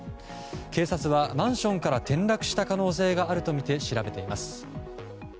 警察は、マンションから転落した可能性があるとみて調べています。